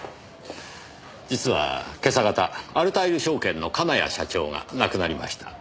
実は今朝方アルタイル証券の金谷社長が亡くなりました。